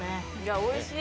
おいしい。